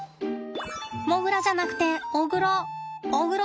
モグラじゃなくてオグロ。